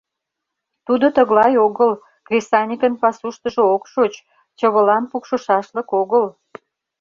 Тудо тыглай огыл, кресаньыкын пасуштыжо ок шоч, чывылан пукшышашлык огыл.